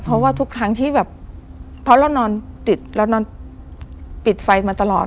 เพราะว่าทุกครั้งที่แบบเพราะเรานอนติดเรานอนปิดไฟมาตลอด